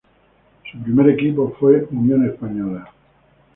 Su primer equipo fue Unión Española.